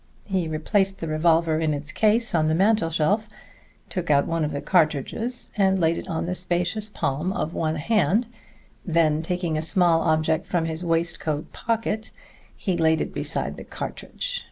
He replaced the revolver in its case on the mantel shelf, took out one of the cartridges, and laid it on the spacious palm of one hand; then, taking a small object from his waistcoat pocket, he laid it beside the cartridge.